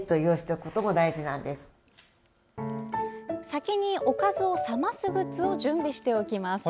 先におかずを冷ますグッズを準備しておきます。